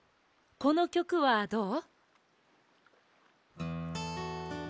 このきょくはどう？